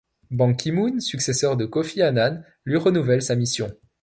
Ban Ki-moon, successeur de Kofi Annan, lui renouvelle sa mission.